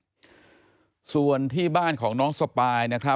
เพื่อที่จะได้หายป่วยทันวันที่เขาชีจันทร์จังหวัดชนบุรี